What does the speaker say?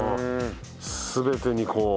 全てにこう。